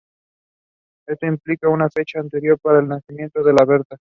Esto implicaría una fecha anterior para el nacimiento de Berta.